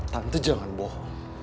tante jangan bohong